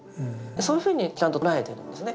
そういうふうにちゃんと捉えてるんですね。